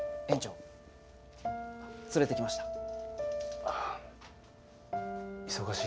園長連れてきました。